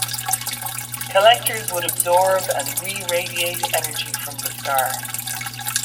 Collectors would absorb and reradiate energy from the star.